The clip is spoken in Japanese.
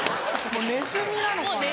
お前ネズミなのか？